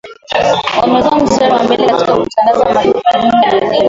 Wamekua mstari wa mbele katika kutangaza matukio muhimu ya dunia